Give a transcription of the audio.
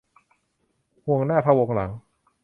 ห่วงหน้าพะวงหลัง